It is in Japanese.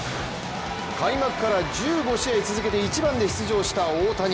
開幕から１５試合続けて１番で出場した大谷。